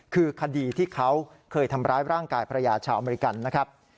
คือคดีที่เขาเคยทำร้ายร่างกายภรรยาชาวอเมริกันนะครับ